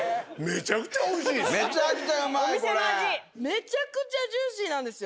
めちゃくちゃジューシーなんですよ。